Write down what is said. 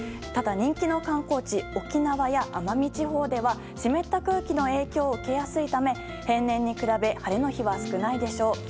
ただ、人気の観光地沖縄や奄美地方では湿った空気の影響を受けやすいため平年に比べ晴れの日は少ないでしょう。